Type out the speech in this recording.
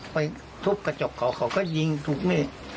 ไปทุบกระจกเขาเขาก็ยิงทุบมีด